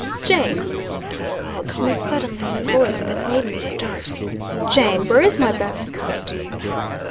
"Jane!" he called to me suddenly, in a voice that made me start. "Jane! Where is my best coat?"